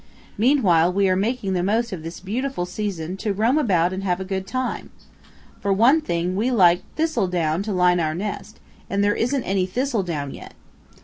Meanwhile we are making the most of this beautiful season to roam about and have a good time. For one thing we like thistledown to line our nest, and there isn't any thistledown yet.